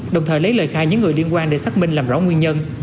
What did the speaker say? đồng thời lấy lời khai những người liên quan để xác minh làm rõ nguyên nhân